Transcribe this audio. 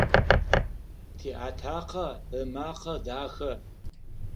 Тиатакъэ ымакъэ дахэ.